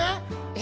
え？